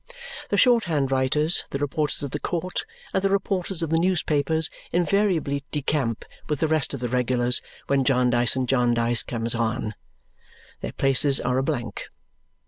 The short hand writers, the reporters of the court, and the reporters of the newspapers invariably decamp with the rest of the regulars when Jarndyce and Jarndyce comes on. Their places are a blank.